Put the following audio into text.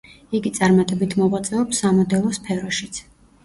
იგი წარმატებით მოღვაწეობს სამოდელო სფეროშიც.